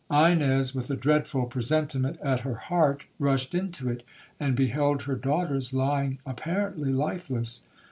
'Ines, with a dreadful presentiment at her heart, rushed into it, and beheld her daughters lying apparently lifeless.